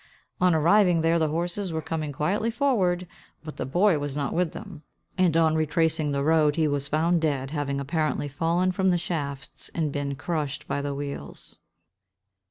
On arriving there, the horses were coming quietly forward, but the boy was not with them; and on retracing the road, he was found dead, having apparently fallen from the shafts, and been crushed by the wheels.